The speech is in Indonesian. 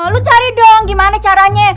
lu cari dong gimana caranya